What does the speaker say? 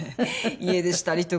家出したりとか。